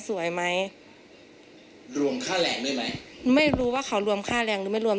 สวยไหมรวมค่าแรงได้ไหมไม่รู้ว่าเขารวมค่าแรงหรือไม่รวม